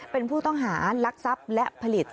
เป็นผู้ต้องหารักทรัพย์และผลิต